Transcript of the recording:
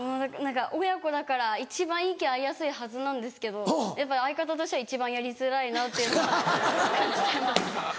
親子だから一番息合いやすいはずなんですけどやっぱり相方としては一番やりづらいなって感じてます。